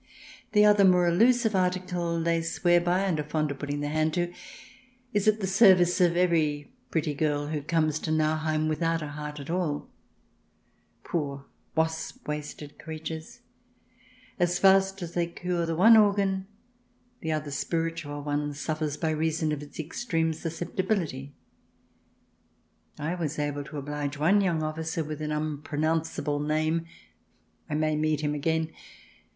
The other, more elusive, article they swear by and are fond of putting their hand to, is at the service of every pretty girl who comes to Nauheim without a heart at all ! Poorwasp waisted creatures ! As fast as they cure the one organ, the other spiritual one suffers by reason of its extreme susceptibility. I was able to oblige one young officer with an unpronounceable name (I may meet him again).